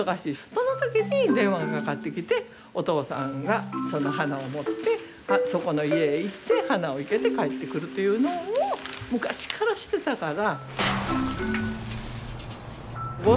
その時に電話がかかってきてお父さんがその花を持ってそこの家へ行って花を生けて帰ってくるっていうのを昔からしてたから。